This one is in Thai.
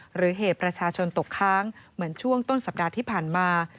หรือเหตุประชาชนตกค้างเหมือนช่วงต้นสัปดาห์ที่ผ่านมา